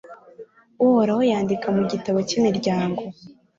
Uhoraho yandika mu gitabo cy’imiryango